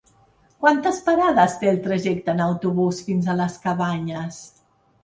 Quantes parades té el trajecte en autobús fins a les Cabanyes?